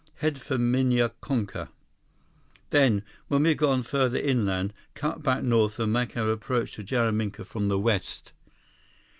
Head for Minya Konka. Then, when we've gone further inland, cut back north and make our approach to Jaraminka from the west."